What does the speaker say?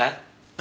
何？